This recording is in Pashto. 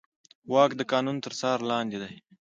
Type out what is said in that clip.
واک د قانون تر څار لاندې دی.